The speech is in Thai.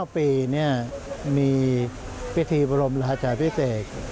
๙ปีมีพิธีบรมราชาพิเศษ